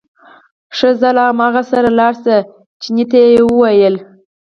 ښه ځه له هماغه سره لاړ شه، چیني ته یې وویل.